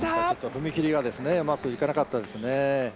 踏み切りがうまくいかなかったですね。